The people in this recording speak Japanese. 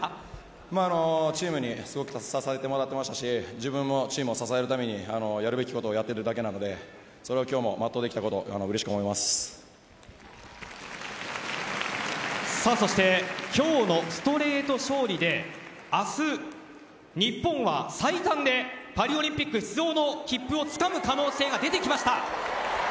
チームに支えてもらっていたし自分もチームを支えるためにやるべきことをやっているだけなのでそれを今日も全うできたことそして今日のストレート勝利で明日、日本は最短でパリオリンピック出場の切符をつかむ可能性が出てきました。